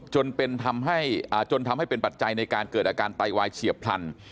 จนทำให้จนทำให้เป็นปัจจัยในการเกิดอาการไตวายเฉียบพลัน